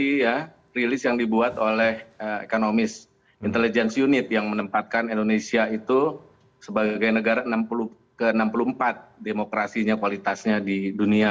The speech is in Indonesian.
ini rilis yang dibuat oleh economist intelligence unit yang menempatkan indonesia itu sebagai negara ke enam puluh empat demokrasinya kualitasnya di dunia